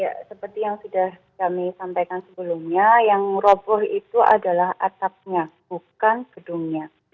ya seperti yang sudah kami sampaikan sebelumnya yang roboh itu adalah atapnya bukan gedungnya